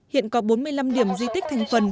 hiện có bốn mươi năm điểm di tích